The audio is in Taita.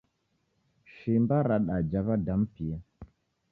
Shimba radaja w`adamu pia